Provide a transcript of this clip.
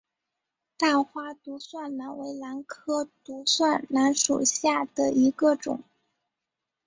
大花独蒜兰为兰科独蒜兰属下的一个种。